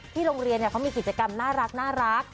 โรงเรียนเขามีกิจกรรมน่ารัก